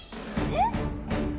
えっ？